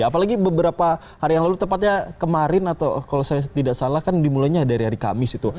apalagi beberapa hari yang lalu tepatnya kemarin atau kalau saya tidak salah kan dimulainya dari hari kamis itu